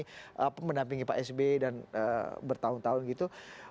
di mana bu ani mendampingi pak sbe dan bertahun tahun gitu